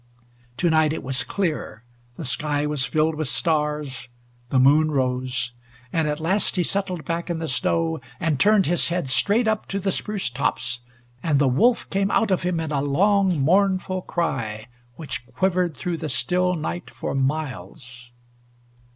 To night it was clear. The sky was filled with stars. The moon rose. And at last he settled back in the snow and turned his head straight up to the spruce tops, and the wolf came out of him in a long mournful cry which quivered through the still night for miles.